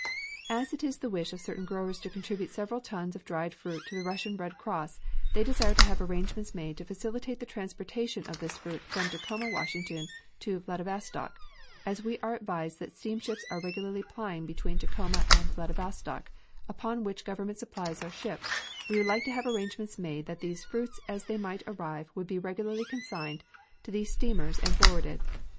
As it is the wish of certain growers to contribute several tons of dried fruit to the Russian Red Cross they desire to have arrangements made to facilitate the transportation of this fruit from Tacoma, Washington, to Vladivostok, and as we are advised that steamships are regularly plying between Tacoma and Vladivostok upon which government supplies are shipped we would like to have arrangements made that these fruits as they might arrive would be regularly consigned to these steamers and forwarded.